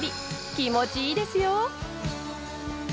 気持ちいいですよ。